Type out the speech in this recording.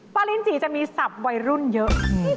ลิ้นจี่จะมีศัพท์วัยรุ่นเยอะ